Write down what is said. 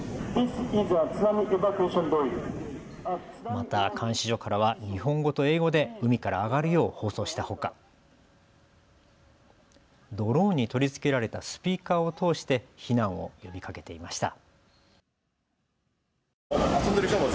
また監視所からは日本語と英語で海から上がるよう放送したほかドローンに取り付けられたスピーカーを通して避難を呼びかけていました。